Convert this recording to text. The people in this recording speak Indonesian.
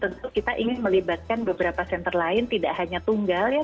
tentu kita ingin melibatkan beberapa senter lain tidak hanya tunggal ya